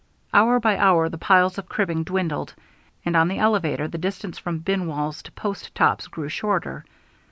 Hour by hour the piles of cribbing dwindled, and on the elevator the distance from bin walls to post tops grew shorter.